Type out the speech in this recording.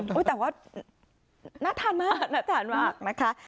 แต่ว่าน่าทานมากน่าทานมากนะคะ